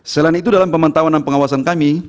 selain itu dalam pemantauan dan pengawasan kami